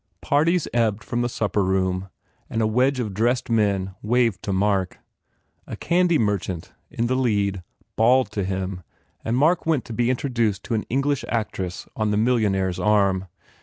Parties ebbed from the supper room and a wedge of dressed men waved to Mark. A candy merchant in the lead bawled to him and Mark went to be introduced to an English actress on the millionaire s arm.